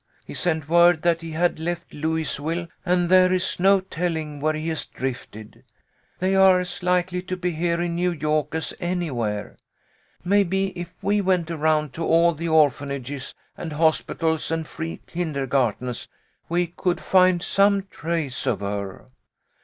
He sent word that he had left Louisville, and there is no telling where he has drifted. They are as likely to be here in New York as anywhere. Maybe if we went around to all the orphanages and hospitals and free kinder gartens we could find some trace of her.